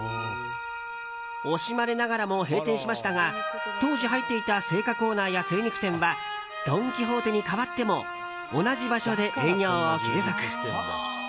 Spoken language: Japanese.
惜しまれながらも閉店しましたが当時入っていた青果コーナーや精肉店はドン・キホーテに変わっても同じ場所で営業を継続。